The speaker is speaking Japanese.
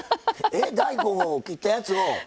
大根を切ったやつを。